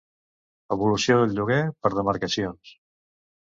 Evolució del lloguer per demarcacions.